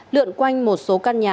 lượn quanh một số căn nhà